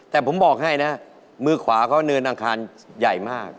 แต่ผมบอกให้นะมือขวาเขาเนินอังคารใหญ่มาก